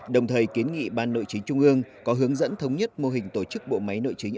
đồng thời kiến nghị ban nội chính trung ương có hướng dẫn thống nhất mô hình tổ chức bộ máy nội chính